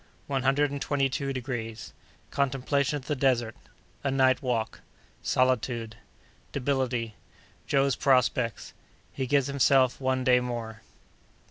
—One Hundred and Twenty two Degrees.—Contemplation of the Desert.—A Night Walk.—Solitude.—Debility.—Joe's Prospects.—He gives himself One Day more.